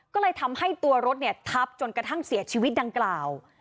ก็เลยทำให้ตัวรถทับจนกระทั่งเสียชีวิตดังกล่าว